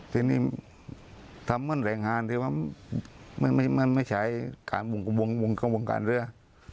ที่นี้ทำงานแหล่งหารที่ว่ามันไม่ใช้การวงการเรือ